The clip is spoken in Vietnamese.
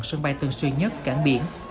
sân bay tân sư nhất cảng biển